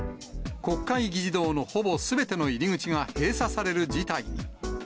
国会議事堂のほぼすべての入り口が閉鎖される事態に。